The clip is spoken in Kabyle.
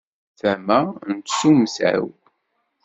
Tama n tsumta-w.